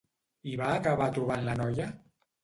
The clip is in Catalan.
I va acabar trobant la noia?